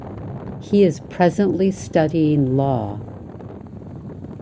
He is presently studying Law.